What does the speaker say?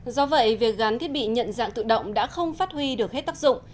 do vậy việc gắn thiết bị nhận dạng tự động đã không phát huy được hết tác dụng